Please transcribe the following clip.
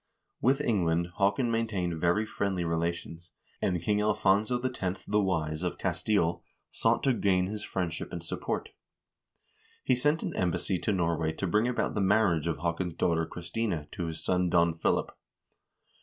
With England Haakon maintained very friendly relations, and King Alfonso X., the Wise, of Castile sought to gain his friendship and support. He sent an embassy to Norway to bring about the marriage of Haakon's daughter Christina to his son Don Philip.